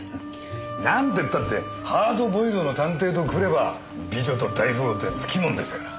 なんてったってハードボイルドの探偵とくれば美女と大富豪ってのはつきものですから。